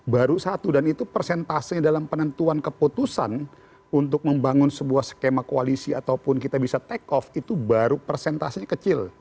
baru satu dan itu persentase dalam penentuan keputusan untuk membangun sebuah skema koalisi ataupun kita bisa take off itu baru persentasenya kecil